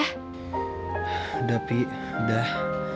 udah pi udah